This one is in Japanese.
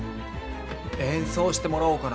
演奏してもらおうかな。